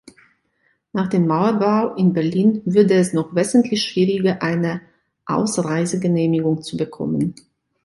Nach dem Mauerbau in Berlin wurde es noch wesentlich schwieriger, eine Ausreisegenehmigung zu bekommen.